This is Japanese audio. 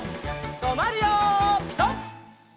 とまるよピタ！